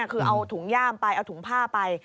คือเอาถุงย่ามไปเอาถุงผ้าไป